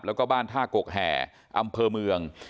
แล้วก็บ้านท่ากกแห่อำเภอเมือง